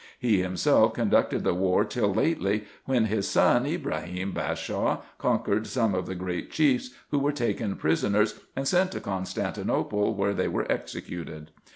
He himself conducted the war till lately, when his son Ibrahim Bashaw conquered some of the great chiefs, who were taken prisoners, and sent to Constantinople, where they were executed.